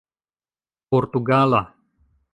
portugala